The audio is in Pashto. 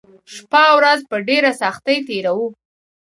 شپه او ورځ په ډېره سختۍ تېروو